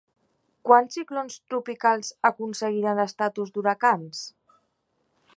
Quants ciclons tropicals aconseguiren l'estatus d'huracans?